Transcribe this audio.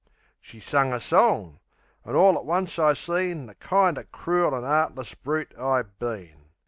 She sung a song; an' orl at once I seen The kind o' crool an' 'eartless broot I been.